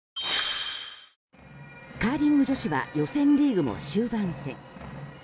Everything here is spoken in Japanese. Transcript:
カーリング女子は予選リーグも終盤戦。